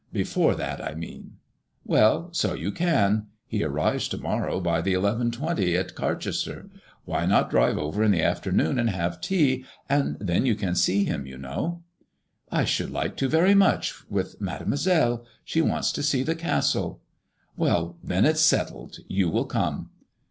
" Before that, I mean/' "Well, 80 you can. He ar rives to morrow by the xi.to at Carchester. Why not drive over in the afternoon, and have tea, and then you can see him, you know ?••*' I should like to very much, with Mademoiselle. She wants to see the Castle." " Well, then ifs settled. You will come."